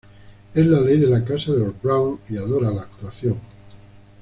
Es la ley en la casa de los Brown y adora la actuación.